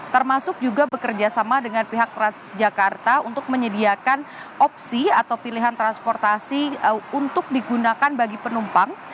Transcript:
termasuk juga bekerja sama dengan pihak transjakarta untuk menyediakan opsi atau pilihan transportasi untuk digunakan bagi penumpang